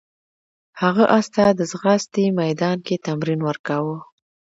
هغه اس ته د ځغاستې میدان کې تمرین ورکاوه.